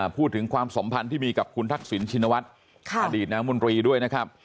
พูดถึงความสมพันธ์ที่มีกับคุณทักศิลป์ชินวัตติอดีตนามุณตรีด้วย